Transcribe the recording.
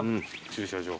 駐車場。